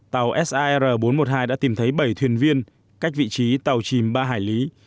tàu sir bốn trăm một mươi hai đã tìm thấy bảy thuyền viên cách vị trí tàu chìm ba hải lý